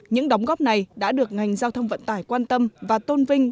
những đóng góp này đã được ngành giao thông vận tải quan tâm và tôn vinh